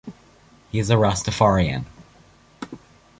He is a Rastafarian.